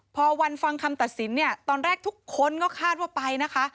พอวันฟังคำตัดสินเนี่ยตอนแรกทุกคนก็คาดว่าไปนะคะ